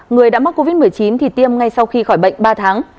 người đã mắc covid một mươi chín thì tiêm ngay sau khi khỏi bệnh ba tháng